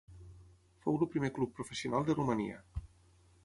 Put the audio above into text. Fou el primer club professional de Romania.